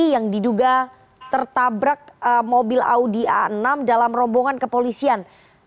yang diduga tertabrak mobil audi a enam dalam rombongan kepolisian